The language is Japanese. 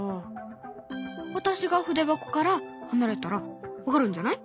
私が筆箱から離れたら分かるんじゃない？